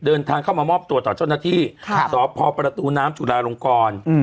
เดินทางเข้ามามอบตัวต่อเจ้าหน้าที่สพประตูน้ำจุลาลงกร